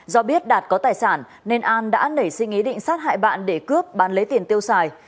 do biết đạt có tài sản nên an đã nảy sinh ý định sát hại bạn để cướp bán lấy tiền tiêu xài